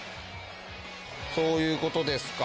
そういうことですか。